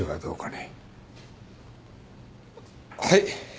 はい。